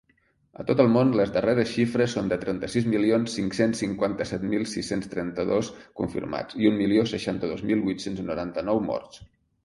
A tot el món, les darreres xifres són de trenta-sis milions cinc-cents cinquanta-set mil sis-cents trenta-dos confirmats i un milió seixanta-dos mil vuit-cents noranta-nou morts.